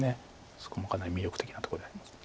そこもかなり魅力的なとこで。